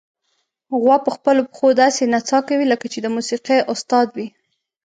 غوا په خپلو پښو داسې نڅا کوي، لکه چې د موسیقۍ استاد وي.